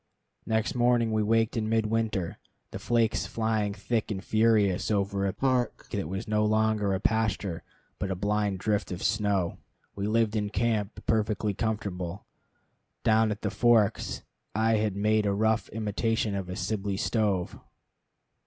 Next morning we waked in midwinter, the flakes flying thick and furious over a park that was no longer a pasture, but a blind drift of snow. We lived in camp, perfectly comfortable. Down at the Forks I had had made a rough imitation of a Sibley stove.